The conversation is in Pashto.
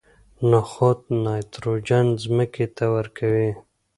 نخود نایتروجن ځمکې ته ورکوي.